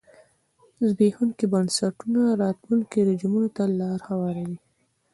زبېښونکي بنسټونه راتلونکو رژیمونو ته لار هواروي.